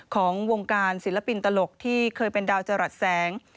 ของวงการศิลปินตลกที่เคยเป็นดาวจรัสแสง